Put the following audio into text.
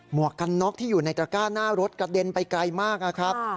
วกกันน็อกที่อยู่ในตระก้าหน้ารถกระเด็นไปไกลมากนะครับ